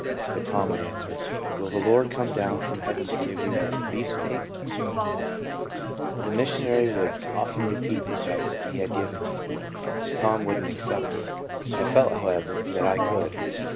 But Tom would answer, " Will the Lord come down from heaven to give you a beefsteak ?" The mis SA VED. 53 sionary would often repeat the text he had given me, but Tom would n't accept it. I felt, however, that I could.